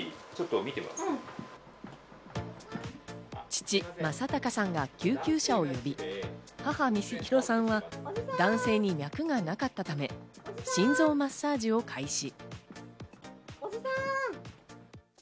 父・正隆さんが救急車を呼び、母・美弘さんは男性に脈がなかったため、心臓マッサージを開始。